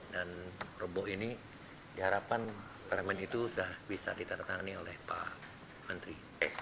dan rabu ini diharapkan kelemen itu sudah bisa ditandatangani oleh pak menteri